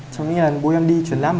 trong những lần bố em đi chuyển láp